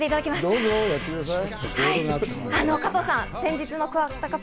どうぞやってください。